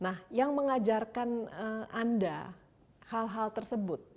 nah yang mengajarkan anda hal hal tersebut